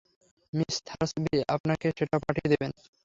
Miss Thursby আপনাকে সেটা পাঠিয়ে দেবেন।